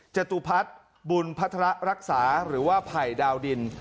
จตุพัฒน์บุญพัฒระรักษาหรือว่าไผ่ดาวดิน